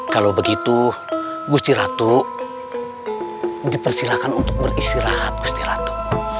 kalau begitu gusti ratu dipersilakan untuk beristirahat gusti ratu